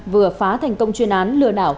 vừa phá thành công chuyên án lừa đảo